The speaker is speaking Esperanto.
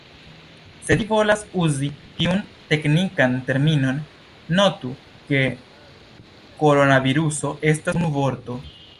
Se vi volas uzi tiun teknikan terminon, notu, ke koronaviruso estas unu vorto.